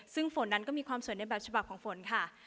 ซึ่งฝนนั้นก็มีความสวยในแบบฉบับของฝนค่ะ